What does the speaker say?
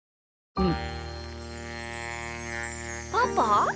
うん。